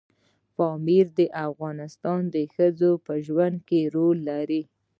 پامیر د افغان ښځو په ژوند کې رول لري.